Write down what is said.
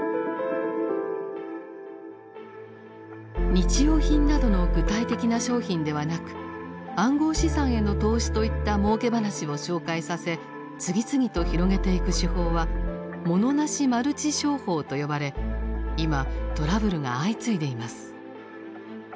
日用品などの具体的な商品ではなく暗号資産への投資といったもうけ話を紹介させ次々と広げていく手法は「モノなしマルチ商法」と呼ばれ今トラブルが相次いでいます。